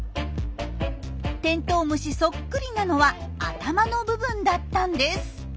テントウムシそっくりなのは頭の部分だったんです。